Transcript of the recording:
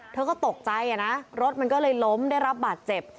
เธอก็ตกใจนะรถมันก็เลยล้มได้รับบาดเจ็บ